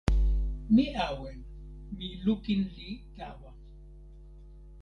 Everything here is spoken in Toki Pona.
mi awen. mi lukin li tawa.